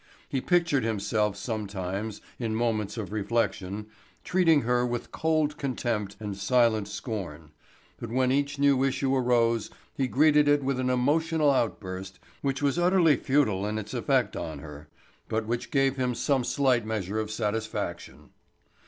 He pictured himself sometimes, in moments of reflection, treating her with cold contempt and silent scorn, but when each new issue arose he greeted it with an emotional outburst which was utterly futile in its effect on her, but which gave him some slight measure of satisfaction.